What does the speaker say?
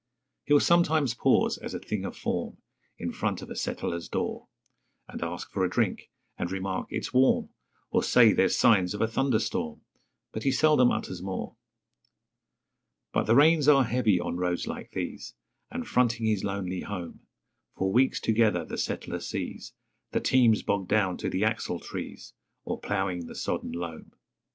He'll sometimes pause as a thing of form In front of a settler's door, And ask for a drink, and remark 'It's warm, Or say 'There's signs of a thunder storm'; But he seldom utters more. But the rains are heavy on roads like these; And, fronting his lonely home, For weeks together the settler sees The teams bogged down to the axletrees, Or ploughing the sodden loam.